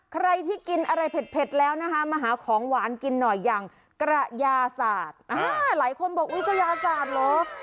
ใครที่กินอะไรเผ็ดแล้วนะคะมาหาของหวานกินหน่อยอย่างกระยาศาสตร์หลายคนบอกวิทยาศาสตร์เหรอ